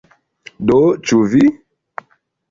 Do, ĉu vi?